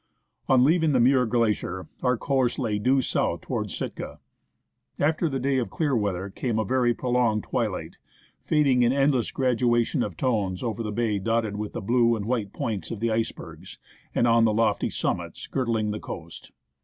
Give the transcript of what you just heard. On leaving the Muir Glacier our course lay due south, to wards Sitka. After the day of clear weather came a very prolonged THE BAY OF SITKA. twilight, fading in endless gradation of tones over the bay dotted with the blue and white points of the icebergs and on the lofty summits girdling the coast.